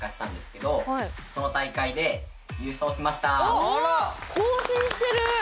あら！更新してる！